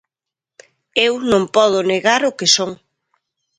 Eu non podo negar o que son.